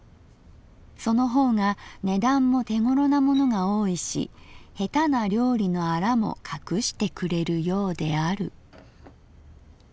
その方が値段も手ごろなものが多いし下手な料理のアラもかくしてくれるようである」。